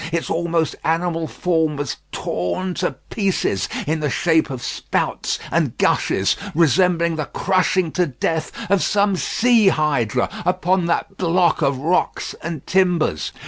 Its almost animal form was torn to pieces in the shape of spouts and gushes, resembling the crushing to death of some sea hydra upon that block of rocks and timbers.